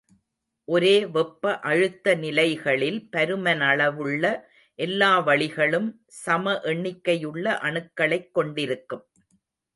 ஒரே வெப்ப அழுத்த நிலைகளில் பருமனளவுள்ள எல்லா வளிகளும் சம எண்ணிக்கையுள்ள அணுக்களைக் கொண்டிருக்கும்.